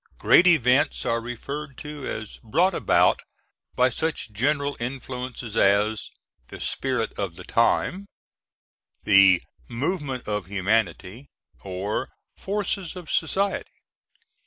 Great events are referred to as brought about by such general influences as "the spirit of the time" (Goethe's Zeitgeist), the "movement of humanity," or "forces of society."